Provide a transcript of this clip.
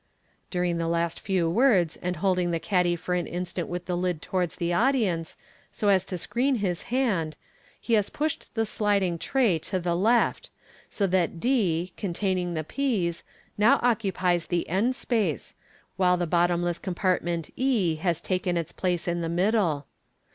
" During the last few words, and holding the caddy for an instant with the lid towards the audience, so as to screen his hand, he has pushed the sliding tray to the left, so that d, containing the peas, now occupies the end space, while the bottomless compartment e has taken its place in the middle.